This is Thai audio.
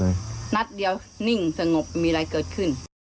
นัดเดียวนิ่งสงบมีอะไรเกิดขึ้น